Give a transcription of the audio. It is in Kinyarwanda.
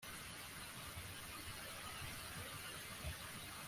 nahitamo kuguma murugo kuruta kujya muri firime iri joro